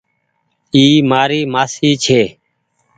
اي مآري مآسي ڇي۔